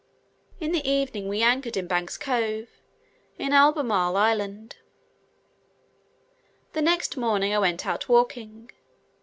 In the evening we anchored in Bank's Cove, in Albemarle Island. The next morning I went out walking.